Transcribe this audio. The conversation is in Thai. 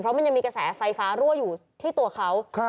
เพราะมันยังมีกระแสไฟฟ้ารั่วอยู่ที่ตัวเขา